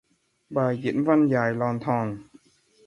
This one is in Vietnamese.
Bài diễn văn dài lòn thòn